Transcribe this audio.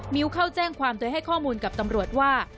ิวเข้าแจ้งความโดยให้ข้อมูลกับตำรวจว่า